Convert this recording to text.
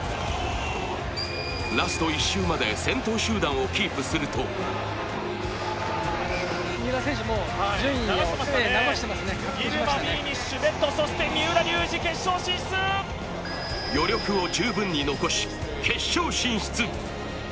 ラスト１周まで先頭集団をキープすると余力を十分に残し、決勝進出。